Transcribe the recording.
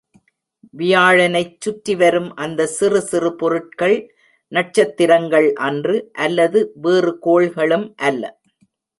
வியாழனைச் சுற்றிவரும் அந்த சிறு சிறு பொருட்கள் நட்சத்திரங்கள் அன்று அல்லது வேறு கோள்களும் அல்ல.